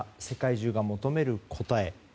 世界中が求める答え。